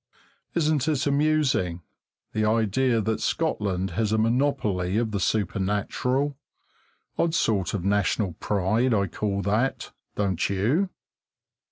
Isn't it amusing, the idea that Scotland has a monopoly of the supernatural? Odd sort of national pride, I call that, don't you?